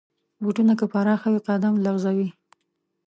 بوټونه که پراخ وي، قدم لغزوي.